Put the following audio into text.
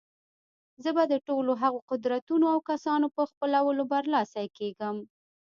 زه به د ټولو هغو قدرتونو او کسانو په خپلولو برلاسي کېږم.